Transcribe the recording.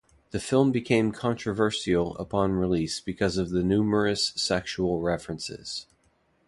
The film became controversial upon release because of the numerous sexual references.